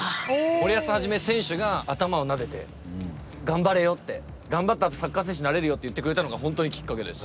森保一選手が頭をなでて「頑張れよ」って。「頑張ったらサッカー選手になれるよ」って言ってくれたのが本当にきっかけです。